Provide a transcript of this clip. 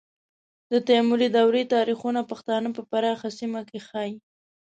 د تیموري دورې تاریخونه پښتانه په پراخه سیمه کې ښیي.